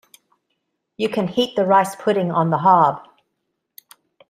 You can heat the rice pudding on the hob